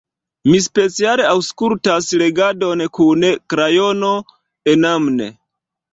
Mi speciale aŭskultas legadon kun krajono enmane.